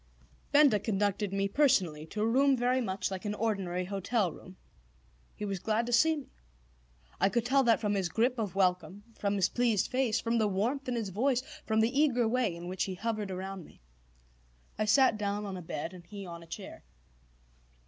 Benda conducted me personally to a room very much like an ordinary hotel room. He was glad to see me. I could tell that from his grip of welcome, from his pleased face, from the warmth in his voice, from the eager way in which he hovered around me. I sat down on a bed and he on a chair.